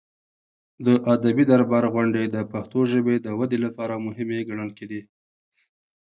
د ادبي دربار غونډې د پښتو ژبې د ودې لپاره مهمې ګڼل کېدې.